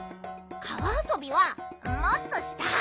かわあそびはもっとしたい！